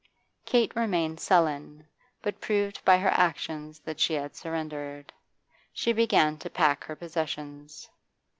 Kate remained sullen, but proved by her actions that she had surrendered; she began to pack her possessions.